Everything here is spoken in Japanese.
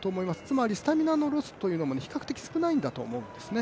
つまりスタミナロスというのも比較的少ないんだと思いますね。